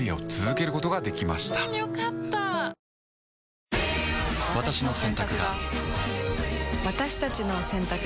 Ｎｏ．１私の選択が私たちの選択が